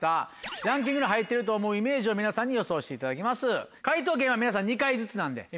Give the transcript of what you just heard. ランキングに入ってると思うイメージを皆さんに予想していただきます。